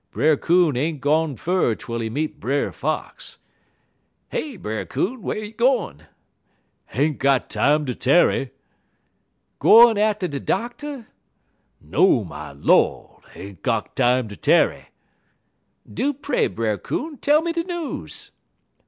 Brer Coon ain't gone fur twel he meet Brer Fox. "'Hey, Brer Coon, whar you gwine?' "'Ain't got time ter tarry!' "'Gwine at' de doctor?' "'No, my Lord! Ain't got time ter tarry.' "'Do pray, Brer Coon, tell me de news.'